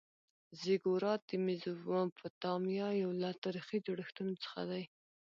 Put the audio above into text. زیګورات د میزوپتامیا یو له تاریخي جوړښتونو څخه دی.